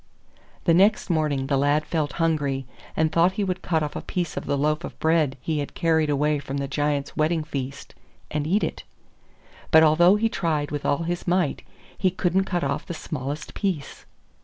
The next morning the lad felt hungry, and thought he would cut off a piece of the loaf he had carried away from the Giants' wedding feast, and eat it. But although he tried with all his might, he couldn't cut off the smallest piece.